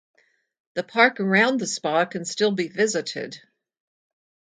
The park around the spa can still be visited.